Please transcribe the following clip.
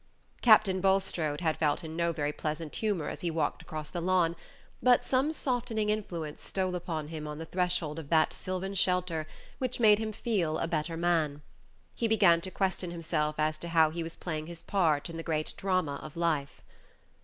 Captain Bulstrode had felt in no very pleasant humor as he walked across the lawn, but some softening influence stole upon him on the threshold of that sylvan shelter which made him feel a better man. He began to question himself as to how he was playing his part in the great drama of life.